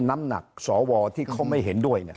น้ำหนักสวที่เขาไม่เห็นด้วย